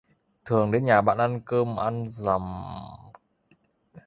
Thường đến nhà bạn ăn dầm nằm dể vì cô em bạn ngó được